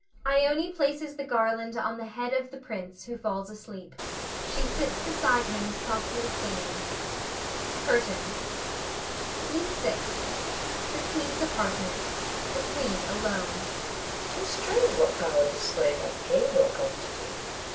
[Ione places the garland on the head of the prince, who falls asleep. She sits beside him softly singing. CURTAIN. SCENE SIXTH. [The Queen's apartment. The Queen alone.] Queen. 'Tis strange what power this slave hath gained o'er Constantine.